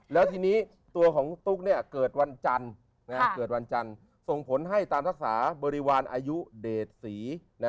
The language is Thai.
และตัวของกุศตุ๊กเกิดวันจรส่งผลให้ตามทักษะบริวารอายุเดสี